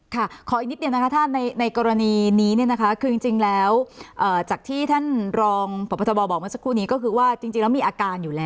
ขออีกนิดเดียวนะคะท่านในกรณีนี้เนี่ยนะคะคือจริงแล้วจากที่ท่านรองพบทบบอกเมื่อสักครู่นี้ก็คือว่าจริงแล้วมีอาการอยู่แล้ว